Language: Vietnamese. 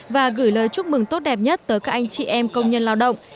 và gửi lời chúc mừng tốt đẹp nhất tới các anh chị em công nhân lao động